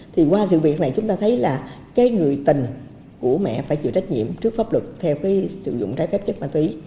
thì qua sự việc này chúng ta thấy là cái người tình của mẹ phải chịu trách nhiệm trước pháp luật theo cái sử dụng trái phép chất ma túy